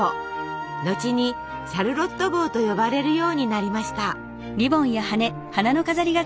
後に「シャルロット帽」と呼ばれるようになりました。